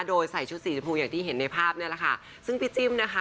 โดยใส่ชุดสีชมพูอย่างที่เห็นในภาพเนี่ยแหละค่ะซึ่งพี่จิ้มนะคะ